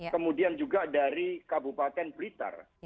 kemudian juga dari kabupaten blitar